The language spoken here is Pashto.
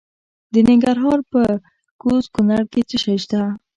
د ننګرهار په کوز کونړ کې څه شی شته؟